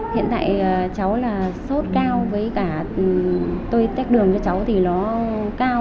hiện tại cháu là sốt cao với cả tôi tách đường cho cháu thì nó cao